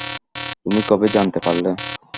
তুমি কবে জানতে পারলে?